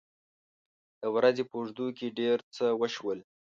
د ورځې په اوږدو کې ډېر څه وشول.